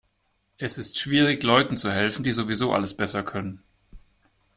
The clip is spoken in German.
Es ist schwierig, Leuten zu helfen, die sowieso alles besser können.